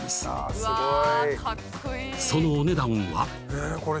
そのお値段は１